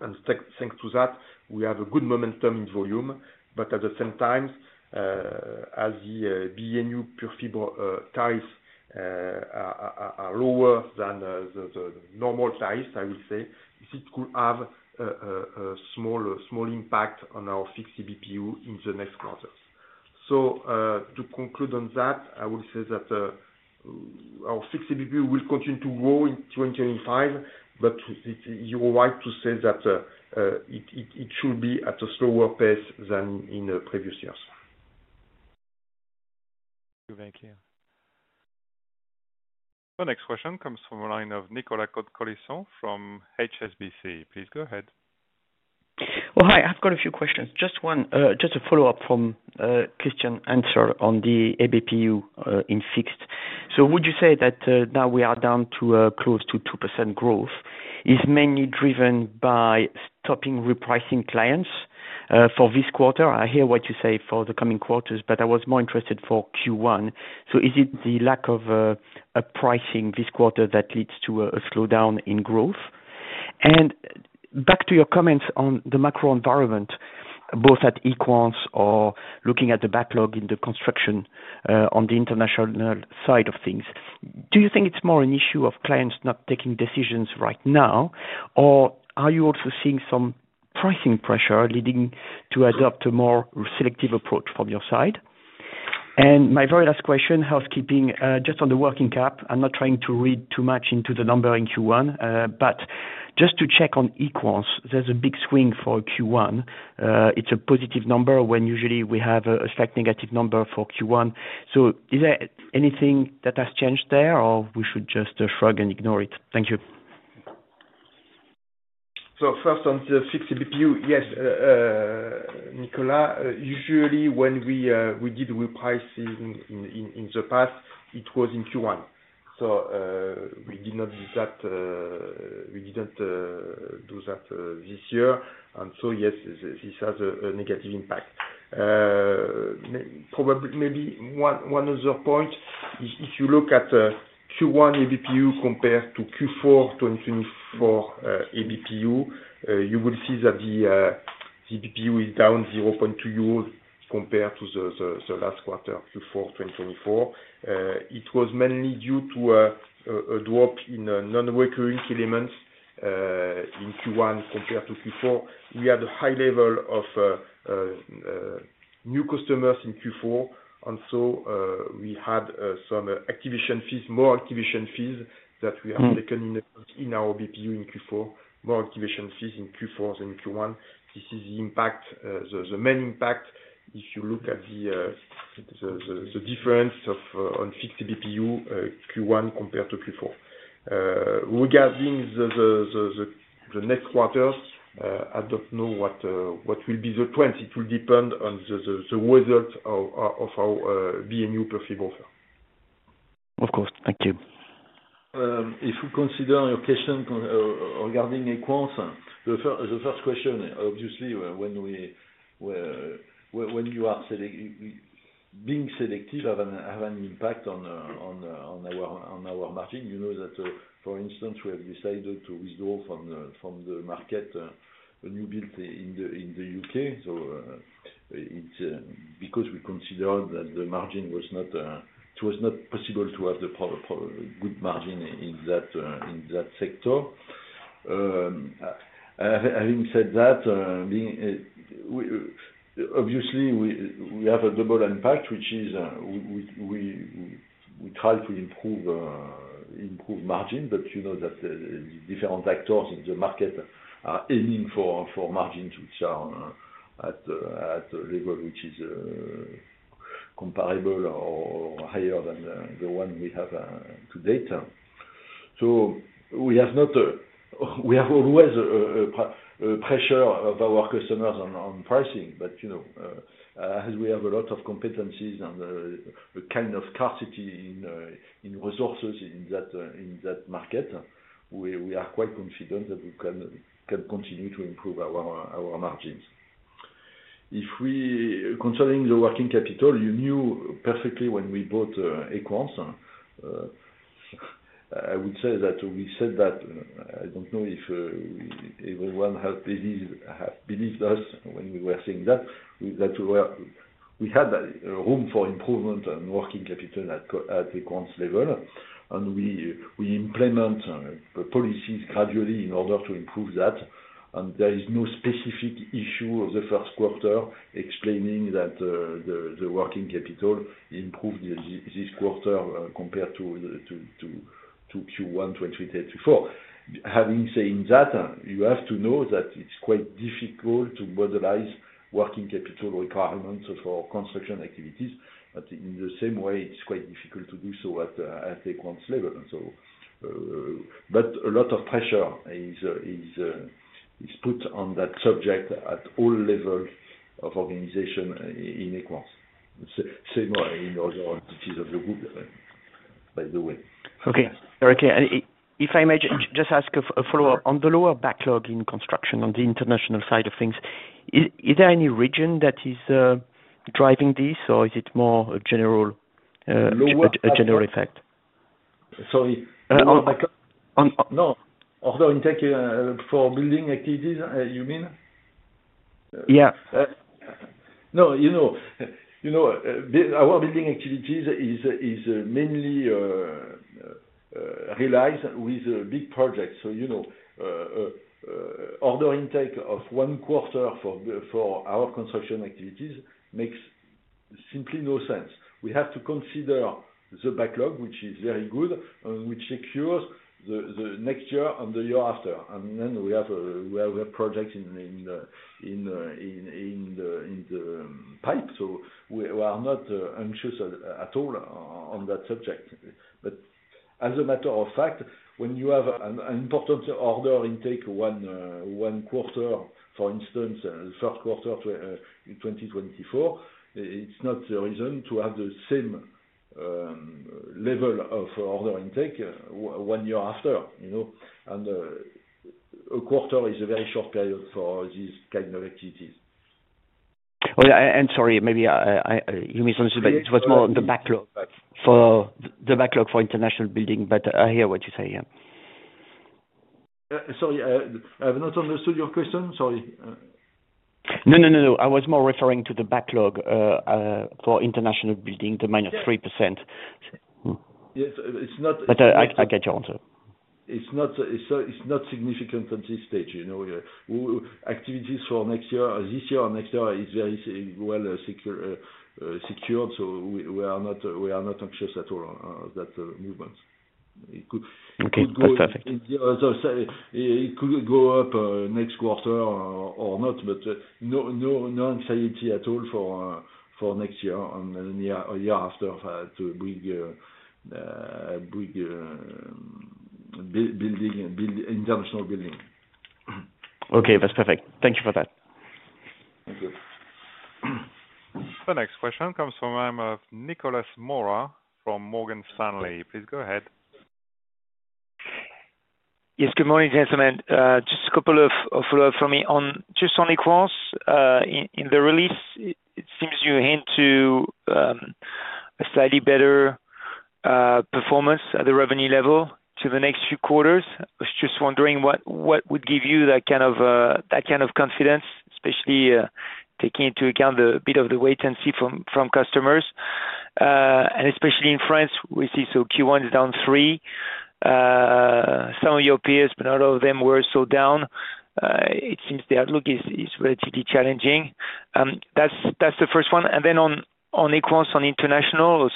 Thanks to that, we have a good momentum in volume. At the same time, as the B&YOU Pure Fibre tariffs are lower than the normal tariffs, I will say, it could have a small impact on our Fixed ABPU in the next quarters. To conclude on that, I will say that our Fixed ABPU will continue to grow in 2025. You are right to say that it should be at a slower pace than in previous years. Thank you. The next question comes from a line of Nicolas Cote-Colisson from HSBC. Please go ahead. Hi. I have a few questions. Just a follow-up from Christian's answer on the ABPU in Fixed. Would you say that now we are down to close to 2% growth is mainly driven by stopping repricing clients for this quarter? I hear what you say for the coming quarters, but I was more interested for Q1. Is it the lack of pricing this quarter that leads to a slowdown in growth? Back to your comments on the macro environment, both at Equans or looking at the backlog in the construction on the international side of things, do you think it's more an issue of clients not taking decisions right now, or are you also seeing some pricing pressure leading to adopt a more selective approach from your side? My very last question, housekeeping, just on the working cap, I'm not trying to read too much into the number in Q1, but just to check on Equans, there's a big swing for Q1. It's a positive number when usually we have a slight negative number for Q1. Is there anything that has changed there, or we should just shrug and ignore it? Thank you. First, on the Fixed ABPU, yes, Nicolas, usually when we did repricing in the past, it was in Q1. We did not do that this year. Yes, this has a negative impact. Maybe one other point. If you look at Q1 ABPU compared to Q4 2024 ABPU, you will see that the ABPU is down 0.2 euros compared to the last quarter, Q4 2024. It was mainly due to a drop in non-working elements in Q1 compared to Q4. We had a high level of new customers in Q4, so we had some activation fees, more activation fees that we have taken in our ABPU in Q4, more activation fees in Q4 than in Q1. This is the main impact if you look at the difference on Fixed ABPU Q1 compared to Q4. Regarding the next quarter, I do not know what will be the trend. It will depend on the result of our B&YOU Pure Fibre offer. Of course. Thank you. If you consider your question regarding Equans, the first question, obviously, when you are being selective, it has an impact on our margin. You know that, for instance, we have decided to withdraw from the market a new build in the U.K. because we considered that the margin was not possible to have a good margin in that sector. Having said that, obviously, we have a double impact, which is we try to improve margin, but you know that different actors in the market are aiming for margins which are at a level which is comparable or higher than the one we have to date. We have always pressure of our customers on pricing. As we have a lot of competencies and a kind of scarcity in resources in that market, we are quite confident that we can continue to improve our margins. Concerning the working capital, you knew perfectly when we bought Equans. I would say that we said that I don't know if everyone has believed us when we were saying that we had room for improvement on working capital at Equans level. We implement policies gradually in order to improve that. There is no specific issue of the first quarter explaining that the working capital improved this quarter compared to Q1 2023-2024. Having saying that, you have to know that it's quite difficult to modelize Working Capital Requirements for construction activities. In the same way, it's quite difficult to do so at Equans level. A lot of pressure is put on that subject at all levels of organization in Equans. Same in other entities of the group, by the way. Okay. If I may just ask a follow-up on the lower backlog in construction on the international side of things, is there any region that is driving this, or is it more a general effect? Sorry. No. Order intake for building activities, you mean? Yeah. No, you know our building activities is mainly realized with big projects. So order intake of one quarter for our construction activities makes simply no sense. We have to consider the backlog, which is very good, which secures the next year and the year after. And then we have projects in the pipe. We are not anxious at all on that subject. As a matter of fact, when you have an important order intake one quarter, for instance, the first quarter in 2024, it's not the reason to have the same level of order intake one year after. A quarter is a very short period for these kinds of activities. Sorry, maybe you misunderstood, but it was more the backlog for international building. I hear what you say, yeah. Sorry. I have not understood your question. Sorry. No, I was more referring to the backlog for international building, the -3%. I get your answer. It's not significant at this stage. Activities for this year and next year are very well secured. We are not anxious at all on that movement. It could go up next quarter or not, but no anxiety at all for next year and the year after to bring international building. Okay. That's perfect. Thank you for that. The next question comes from Nicolas Mola from Morgan Stanley. Please go ahead. Yes, good morning, gentlemen. Just a couple of follow-ups for me. Just on Equans, in the release, it seems you hint to a slightly better performance at the revenue level for the next few quarters. I was just wondering what would give you that kind of confidence, especially taking into account the bit of the wait-and-see from customers. Especially in France, we see Q1 is down three. Some of your peers, but not all of them, were also down. It seems their outlook is relatively challenging. That's the first one. On Equans, on international,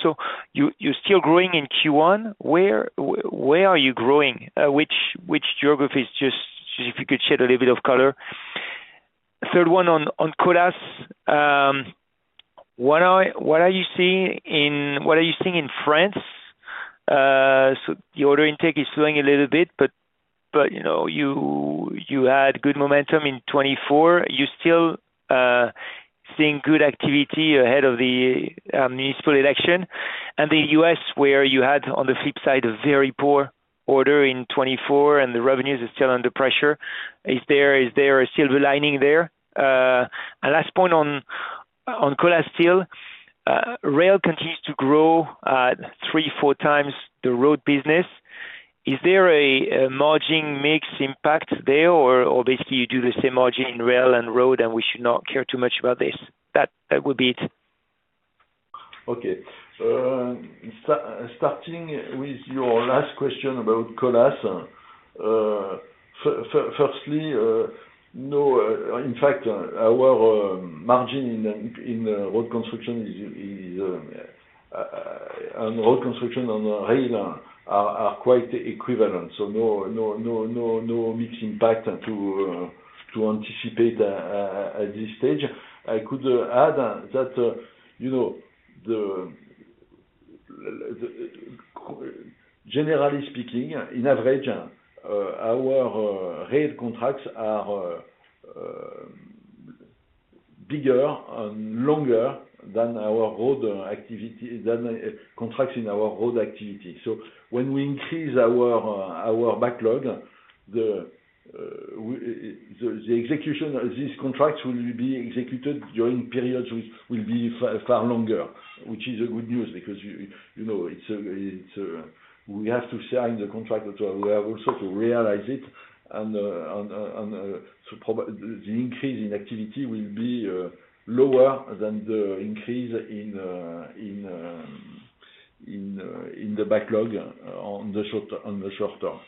you are still growing in Q1. Where are you growing? Which geographies? If you could shed a little bit of color. Third one on Colas. What are you seeing in France? The order intake is slowing a little bit, but you had good momentum in 2024. You still seeing good activity ahead of the municipal election. In the U.S., where you had on the flip side a very poor order in 2024, and the revenues are still under pressure. Is there a silver lining there? Last point on Colas still, Rail continues to grow 3, 4x the road business. Is there a margin mix impact there, or basically you do the same margin in Rail and road, and we should not care too much about this? That would be it. Okay. Starting with your last question about Colas. Firstly, no. In fact, our margin in road construction and road construction on Rail are quite equivalent. No mix impact to anticipate at this stage. I could add that generally speaking, on average, our Rail contracts are bigger and longer than our road activity, than contracts in our road activity. When we increase our backlog, the execution of these contracts will be executed during periods which will be far longer, which is good news because we have to sign the contract to also realize it. The increase in activity will be lower than the increase in the backlog in the short term.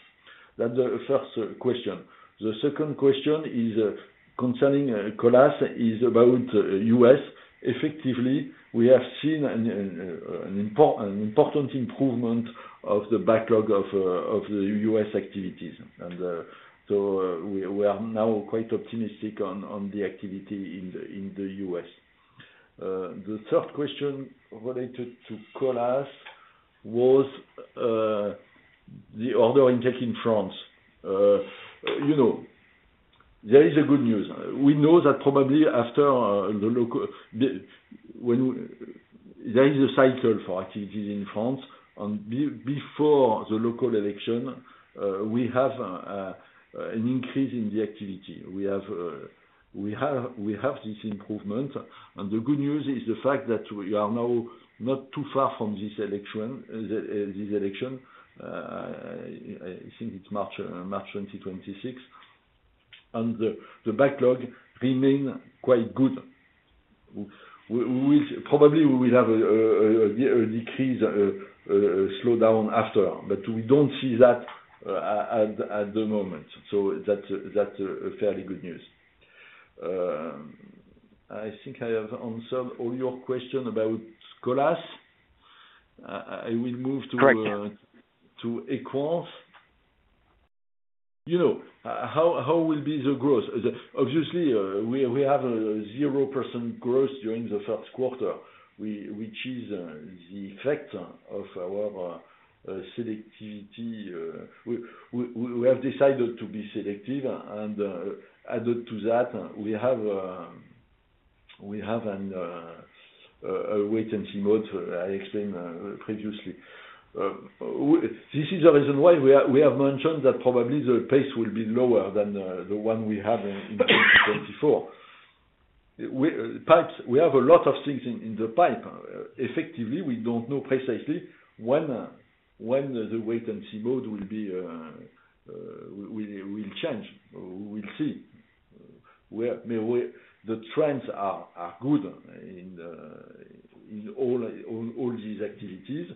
That's the first question. The second question concerning Colas is about the U.S.. Effectively, we have seen an important improvement of the backlog of the U.S.. activities. We are now quite optimistic on the activity in the U.S.. The third question related to Colas was the order intake in France. There is good news. We know that probably after the local there is a cycle for activities in France. Before the local election, we have an increase in the activity. We have this improvement. The good news is the fact that we are now not too far from this election. I think it is March 2026. The backlog remains quite good. Probably we will have a decrease, a slowdown after. We do not see that at the moment. That is fairly good news. I think I have answered all your questions about Colas. I will move to Equans. How will be the growth? Obviously, we have a 0% growth during the first quarter, which is the effect of our selectivity. We have decided to be selective. Added to that, we have a wait-and-see mode, I explained previously. This is the reason why we have mentioned that probably the pace will be lower than the one we have in 2024. We have a lot of things in the pipe. Effectively, we do not know precisely when the wait-and-see mode will change. We will see. The trends are good in all these activities.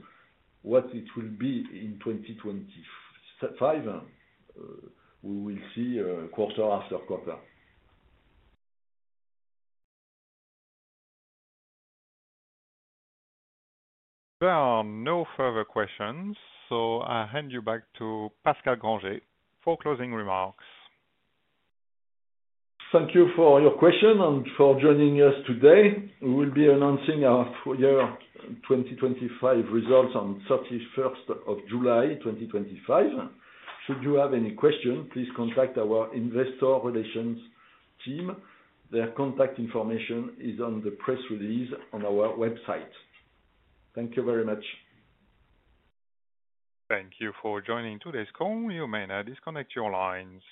What it will be in 2025, we will see quarter after quarter. There are no further questions. I hand you back to Pascal Grangé for closing remarks. Thank you for your question and for joining us today. We will be announcing our year 2025 results on 31st of July 2025. Should you have any questions, please contact our investor relations team. Their contact information is on the press release on our website. Thank you very much. Thank you for joining today's call. You may now disconnect your lines.